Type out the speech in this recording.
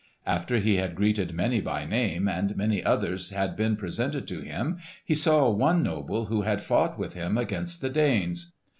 After he had greeted many by name, and many others had been presented to him, he saw one noble who had fought with him against the Danes.